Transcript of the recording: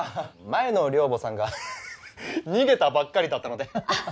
前の寮母さんが逃げたばっかりだったのであっ